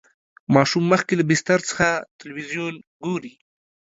ماشوم مخکې له بستر څخه تلویزیون ګوري.